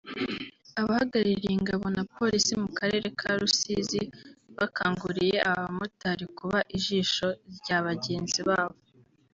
Abahagarariye Ingabo na Police mu karere ka Rusizi bakanguriye aba bamotari kuba ijisho rya bagenzi babo